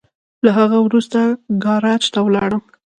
له هغه وروسته ګاراج ته ولاړم.